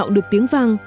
được tiếng vang